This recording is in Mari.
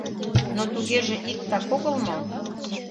— Но тугеже иктак огыл мо?..